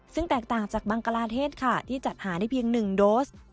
ซึ่งแตกต่างจากบังกลาเทศค่ะที่จัดหาได้เพียง๑โดส